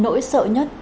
nỗi sợ nhất